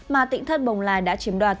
mà tỉnh thất bồng lai đã chiếm đoạt